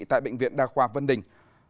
tại bệnh viện đa khoa vân đình